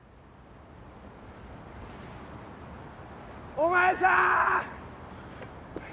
・お前さん！